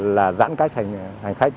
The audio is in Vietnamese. là giãn cách hành khách